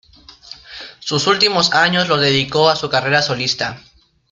Sus últimos años los dedicó a su carrera solista.